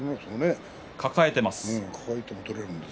抱えています。